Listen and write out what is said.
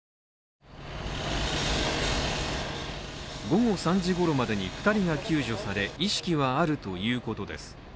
午後３時ごろまでに２人が救助され意識はあるということです。